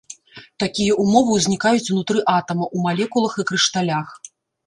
Такія ўмовы ўзнікаюць ўнутры атама, у малекулах і крышталях.